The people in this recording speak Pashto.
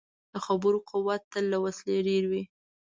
د خبرو قوت تل له وسلې ډېر وي.